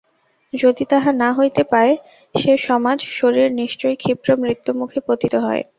যদি তাহা না হইতে পায়, সে সমাজ-শরীর নিশ্চয়ই ক্ষিপ্র মৃত্যুমুখে পতিত হয়।